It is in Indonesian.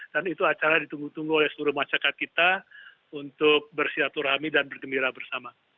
dan itu acara ditunggu tunggu oleh seluruh masyarakat kita untuk bersia turhami dan bergembira bersama